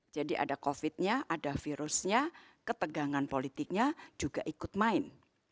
jadi ada covid sembilan belas ada virusnya ketegangan politiknya juga ikut main